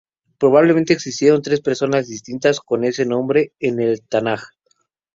Probablemente, existieron tres personas distintas con ese nombre en el Tanaj.